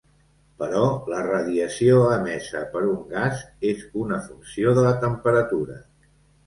Però la radiació emesa per un gas és una funció de la temperatura.